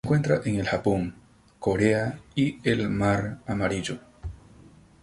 Se encuentra en el Japón, Corea y el Mar Amarillo.